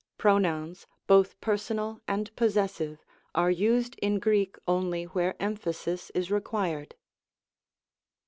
Pronouns, both personal and possessive, are used in Greek only where emphasis is required.